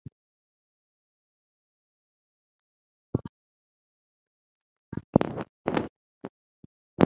Outside of Seymour is a large Old Order Amish Community.